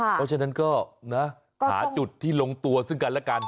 เพราะฉะนั้นก็นะหาจุดที่ลงตัวซึ่งกันแล้วกัน